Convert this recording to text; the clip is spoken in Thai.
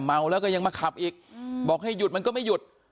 เมาแล้วก็ยังมาขับอีกบอกให้หยุดมันก็ไม่หยุด